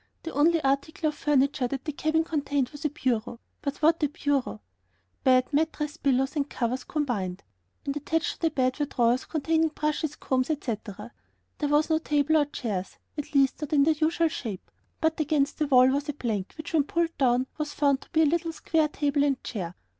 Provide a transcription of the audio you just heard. The only article of furniture that the cabin contained was a bureau, but what a bureau: bed, mattress, pillows, and covers combined. And attached to the bed were drawers containing brushes, combs, etc. There was no table or chairs, at least not in their usual shape, but against the wall was a plank, which when pulled down was found to be a little square table and chair.